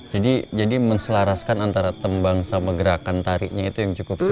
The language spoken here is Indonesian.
jadi jadi menselaraskan antara tembang sama gerakan tariknya itu yang cukup sulit